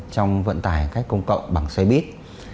trong vận tải cách công cộng bằng xoay bít